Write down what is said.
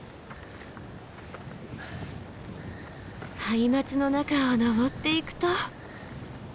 ハイマツの中を登っていくと。